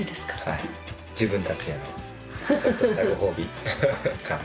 自分たちへのちょっとしたごほうびかな。